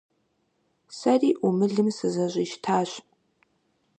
Сэри Ӏумылым сызэщӀищтащ.